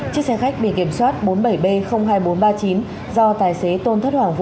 chiếc xe khách biển kiểm soát bốn mươi bảy b hai nghìn bốn trăm ba mươi chín do tài xế tôn thất hoàng vũ